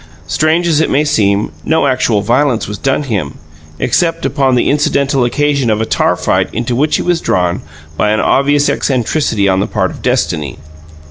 Strange as it may seem, no actual violence was done him, except upon the incidental occasion of a tar fight into which he was drawn by an obvious eccentricity on the part of destiny.